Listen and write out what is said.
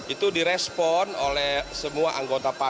itu direspon oleh semua anggota pansus